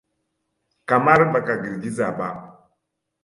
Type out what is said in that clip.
Kamar ba ka girgiza ba.